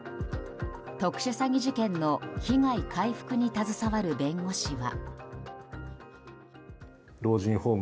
特殊詐欺事件の被害回復に携わる弁護士は。